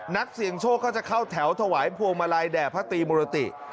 นักเสี่ยงโชคก็จะเข้าแถวถวายพวงมาลัยแด่พระตรีมุรติ